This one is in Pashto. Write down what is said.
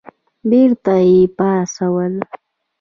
بېرته یې پاڅول.